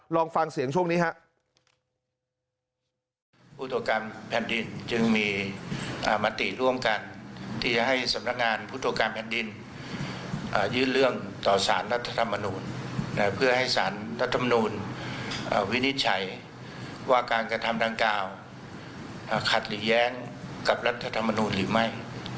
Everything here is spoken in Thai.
ลองฟังเสียงช่วงนี้